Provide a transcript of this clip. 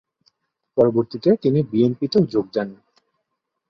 পরবর্তিতে তিনি বিএনপি তেও যোগ দেন।